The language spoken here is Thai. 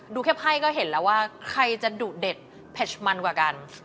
แค่ไพ่ก็เห็นแล้วว่าใครจะดุเด็ดเผ็ดมันกว่ากัน